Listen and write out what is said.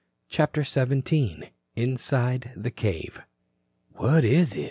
CHAPTER XVII INSIDE THE CAVE "What is it?"